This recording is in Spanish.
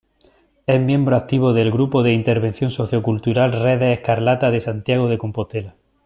Es miembro activo del grupo de intervención sociocultural Redes Escarlata de Santiago de Compostela.